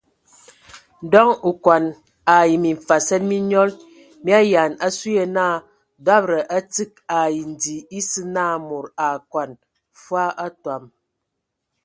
Ndɔŋ okɔn ai mimfasɛn mi nyɔl mi ayaan asu yə naa dɔbəda a tsig ai ndi esə na mod a akɔn fwa atɔm.